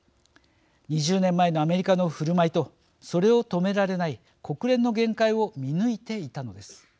２０年前のアメリカのふるまいとそれを止められない国連の限界を見抜いていたのです。